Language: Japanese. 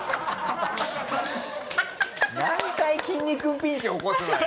何回きんに君ピンチ起こすのよ！